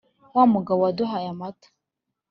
wa mugabo waduhaye amata